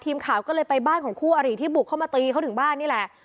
ทีมข่าวก็เลยไปบ้านของคู่อริที่บุกเข้ามาตีเขาถึงบ้านนี่แหละ